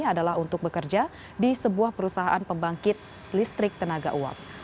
adalah untuk bekerja di sebuah perusahaan pembangkit listrik tenaga uap